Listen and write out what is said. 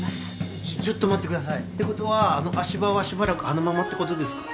えっちょちょっと待ってくださいてことはあの足場はしばらくあのままってことですか？